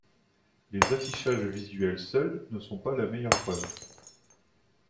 Les affichages visuels seuls ne sont pas la meilleure preuve.